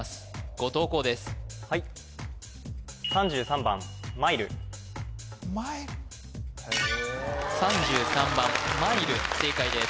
後藤弘ですはいマイ３３番マイル正解です